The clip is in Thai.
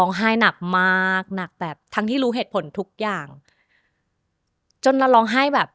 จนเราร้องไห้แบบ